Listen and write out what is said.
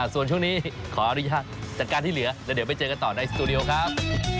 ส่วนช่วงนี้ขออนุญาตจัดการที่เหลือแล้วเดี๋ยวไปเจอกันต่อในสตูดิโอครับ